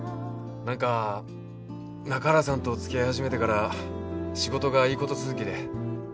何か中原さんと付き合い始めてから仕事がいいこと続きで。